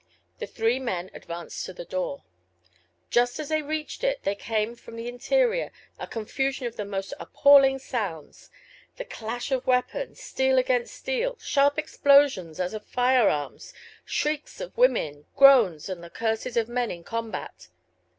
The three men advanced to the door. Just as they reached it there came from the interior a confusion of the most appalling soundsŌĆöthe clash of weapons, steel against steel, sharp explosions as of firearms, shrieks of women, groans and the curses of men in combat!